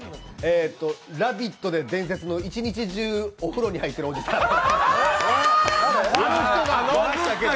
「ラヴィット！」で伝説の一日中お風呂に入ってるおじさん！